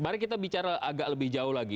mari kita bicara agak lebih jauh lagi